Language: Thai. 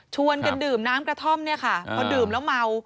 กันดื่มน้ำกระท่อมเนี่ยค่ะพอดื่มแล้วเมา